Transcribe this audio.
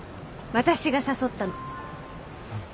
私が誘ったの。